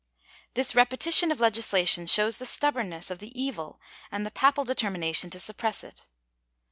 This repetition of legislation shows the stubbornness of the evil and the papal determination to suppress it.